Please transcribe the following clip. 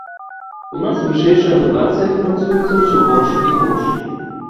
У нас вышэйшая адукацыя фінансуецца ўсё горш і горш.